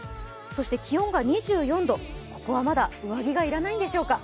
そして気温が２４度、ここはまだ上着が要らないんでしょうか。